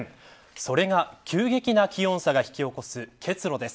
それが急激な気温差が引き起こす結露です。